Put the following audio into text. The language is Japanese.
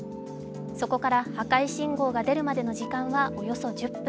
そこから破壊信号が出るまでの時間はおよそ１０分。